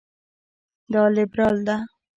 دا لېبرال ده.